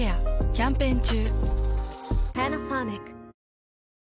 キャンペーン中。